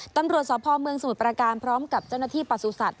ตรหมสมุดประการพร้อมกับจันทธิปศรุษัตริย์